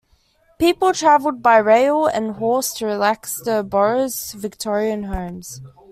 People traveled by rail and horse to relax in the borough's Victorian homes.